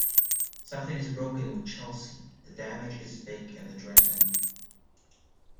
Something is broken with Chelsea, The damage is big in the dressing room.